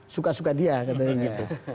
suka suka dia katanya gitu